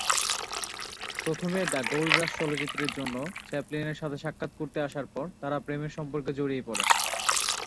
প্রথমে "the gold rush" চলচ্চিত্রে জন্য চ্যাপলিনের সাথে সাক্ষাৎ করতে আসার পর তারা প্রেমের সম্পর্কে জড়িয়ে পড়েন।